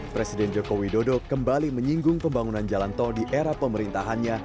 presiden joko widodo kembali menyinggung pembangunan jalan tol di era pemerintahannya